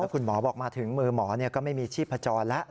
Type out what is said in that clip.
คุณหมอบอกมาถึงมือหมอก็ไม่มีชีพจรแล้ว